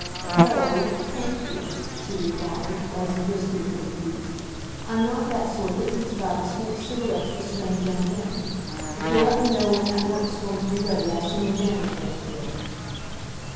"No, thank you!" she replied, rising briskly to her feet. "I'm not that sort that sits about and smokes cigarettes with strange young men. If you'll let me know when that work's going to be ready, I'll send the janitor up for it."